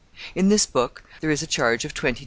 In this book there is a charge of 22_s.